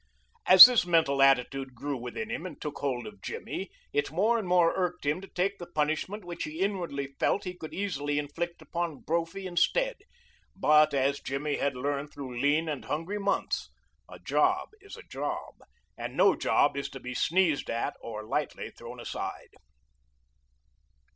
As this mental attitude grew within him and took hold of Jimmy it more and more irked him to take the punishment which he inwardly felt he could easily inflict upon Brophy instead, but, as Jimmy had learned through lean and hungry months, a job is a job, and no job is to be sneezed at or lightly thrown aside.